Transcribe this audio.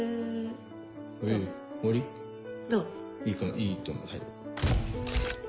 いいと思うはい。